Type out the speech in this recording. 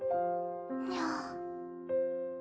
にゃあ。